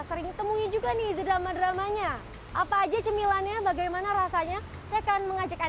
sering temui juga nih drama dramanya apa aja cemilannya bagaimana rasanya saya akan mengajak